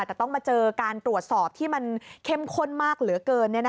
แต่ต้องมาเจอการตรวจสอบที่มันเข้มข้นมากเหลือเกิน